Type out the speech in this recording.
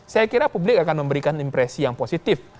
saya kira publik akan memberikan impresi yang positif